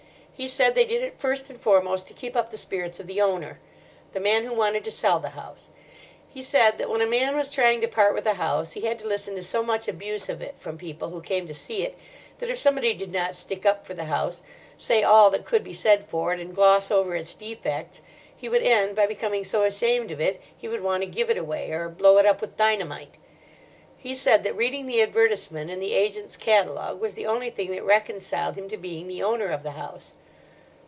"He said they did it first and foremost to keep up the spirits of the owner—the man who wanted to sell the house. He said that when a man was trying to part with a house he had to listen to so much abuse of it from people who came to see it that if somebody did not stick up for the house—say all that could be said for it, and gloss over its defects—he would end by becoming so ashamed of it he would want to give it away, or blow it up with dynamite. He said that reading the advertisement in the agent's catalogue was the only thing that reconciled him to being the owner of the house.